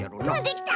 できた！